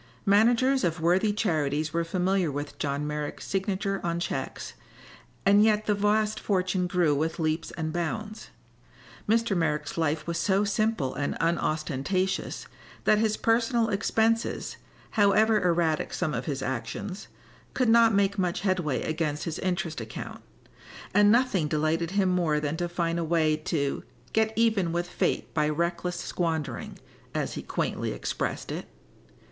Managers of worthy charities were familiar with John Merrick's signature on checks, and yet the vast fortune grew with leaps and bounds. Mr. Merrick's life was so simple and unostentatious that his personal expenses, however erratic some of his actions, could not make much headway against his interest account, and nothing delighted him more than to find a way to "get even with fate by reckless squandering," as he quaintly expressed it.